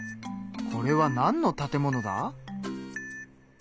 これはなんの建物だ？